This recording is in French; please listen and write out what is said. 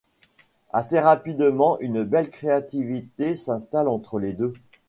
Assez rapidement, une belle créativité s'installe entre les deux.